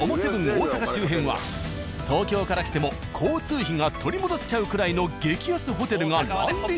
大阪周辺は東京から来ても交通費が取り戻せちゃうくらいの激安ホテルが乱立。